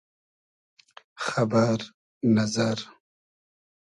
خئبئر نئزئر